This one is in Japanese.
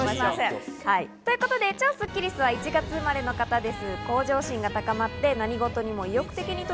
超スッキりす、１月生まれの方です。